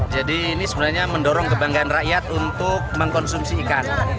jadi ini sebenarnya mendorong kebanggaan rakyat untuk mengkonsumsi ikan